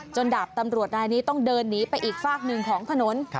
ดาบตำรวจนายนี้ต้องเดินหนีไปอีกฝากหนึ่งของถนน